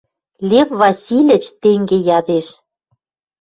Лев Васильыч тенге ядеш